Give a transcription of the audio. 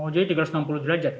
jadi tiga ratus enam puluh derajat